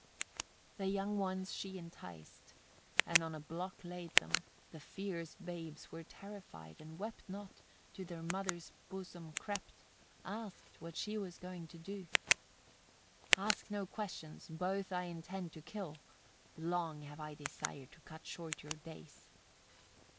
73. The young ones she enticed, and on a block laid them, the fierce babes were terrified, and wept not, to their mother's bosom crept, asked what she was going to do. 74. "Ask no questions, both I intend to kill; long have I desired to cut short your days."